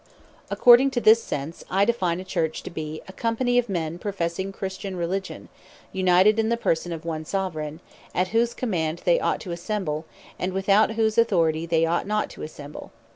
According to this sense, I define a CHURCH to be, "A company of men professing Christian Religion, united in the person of one Soveraign; at whose command they ought to assemble, and without whose authority they ought not to assemble."